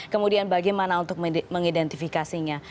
kemudian bagaimana untuk mengidentifikasinya